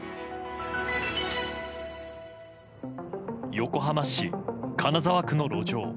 横浜市金沢区の路上。